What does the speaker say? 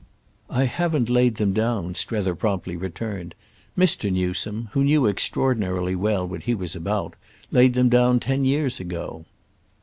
"I haven't laid them down," Strether promptly returned. "Mr. Newsome—who knew extraordinarily well what he was about—laid them down ten years ago."